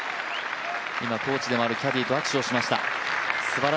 今、コーチでもあるキャディーと握手をしました。